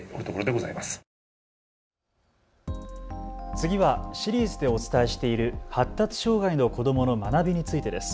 次はシリーズでお伝えしている発達障害の子どもの学びについてです。